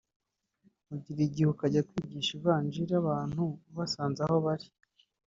ugira igihe ukajya kwigisha Ivanjiri abantu ubasanze aho bari